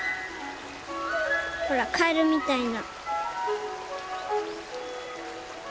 ほらカエルみたいな。